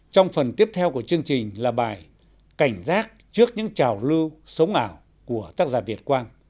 trong phần tiếp theo của chương trình là bài cảnh giác trước những trào lưu sống ảo của tác giả việt quang